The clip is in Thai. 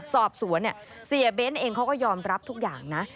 สอบสวนเนี่ยเสียเบ้นเองเขาก็ยอมรับทุกอย่างนะ